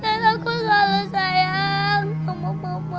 dan aku selalu sayang sama mama